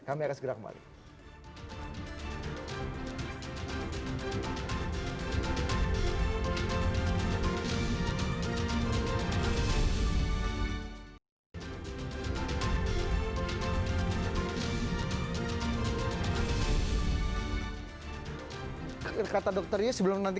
kami akan segera kembali